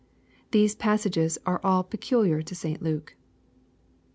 These passages are all peculiar to St. Luke.